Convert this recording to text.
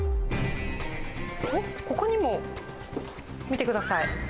お、ここにも、見てください。